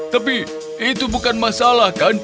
tapi itu bukan masalah kan